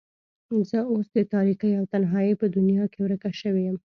زه اوس د تاريکۍ او تنهايۍ په دنيا کې ورکه شوې يم.